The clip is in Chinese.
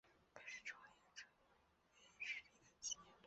该市场也成为日立的的企业都市。